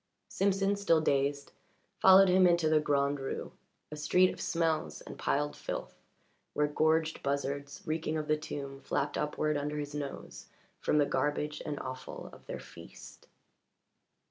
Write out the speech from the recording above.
Simpson, still dazed, followed him into the Grand Rue a street of smells and piled filth, where gorged buzzards, reeking of the tomb, flapped upward under his nose from the garbage and offal of their feast.